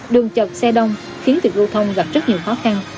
đường chật xe đông khiến tự lưu thông gặp rất nhiều khó khăn